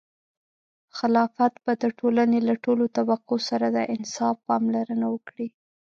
خلافت به د ټولنې له ټولو طبقو سره د انصاف پاملرنه وکړي.